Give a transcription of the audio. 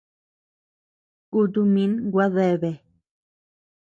Kutu min gua deabea.